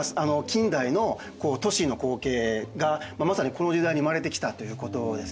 近代の都市の光景がまさにこの時代に生まれてきたということですね。